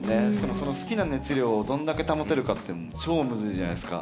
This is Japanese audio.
その好きな熱量をどんだけ保てるかって超むずいじゃないですか。